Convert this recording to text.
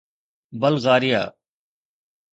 Bulgaria